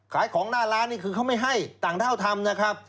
ขายของหน้าร้านนี่คือเขาไม่ให้ต่างด้าวทำนะครับ